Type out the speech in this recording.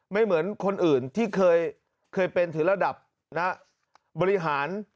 ไม่เหมือนคนอื่นที่เคยเป็นถึงระดับบริหาร